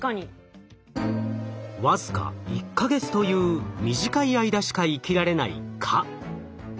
僅か１か月という短い間しか生きられない蚊。